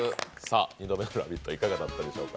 ２度目の「ラヴィット！」、いかがだったでしょうか。